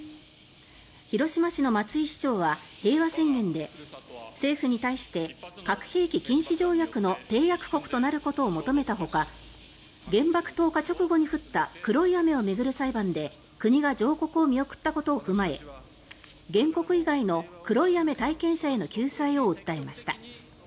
広島市の松井市長は平和宣言で政府に対して核兵器禁止条約の締約国となることを求めたほか原爆投下直後に降った黒い雨を巡る裁判で国が上告を見送ったことを踏まえ原告以外の黒い雨体験者への救済を訴えました。